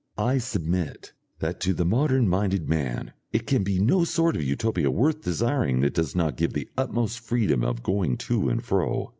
I submit that to the modern minded man it can be no sort of Utopia worth desiring that does not give the utmost freedom of going to and fro.